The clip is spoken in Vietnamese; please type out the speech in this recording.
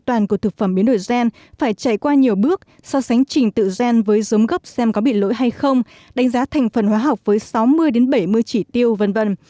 an toàn của thực phẩm biến đổi gen phải trải qua nhiều bước so sánh trình tự gen với giống gốc xem có bị lỗi hay không đánh giá thành phần hóa học với sáu mươi bảy mươi chỉ tiêu v v